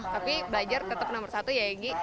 tapi belajar tetap nomor satu ya egy